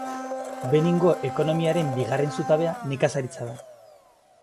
Beningo ekonomiaren bigarren zutabea nekazaritza da.